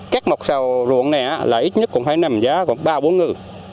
các mọc xào ruộng này ít nhất cũng phải nằm giá ba bốn ngư